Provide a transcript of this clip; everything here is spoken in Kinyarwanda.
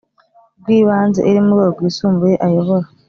rw Ibanze iri mu rwego Rwisumbuye ayobora